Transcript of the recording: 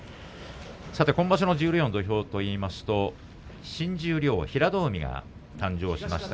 今場所の十両の土俵と言いますと新十両の平戸海が誕生しました。